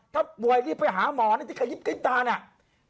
ถ้าป่วยรีบไปหาหมอนี่ที่ขยิบที่ตาเนี่ย